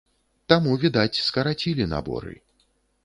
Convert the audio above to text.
Таму, відаць, скарацілі наборы.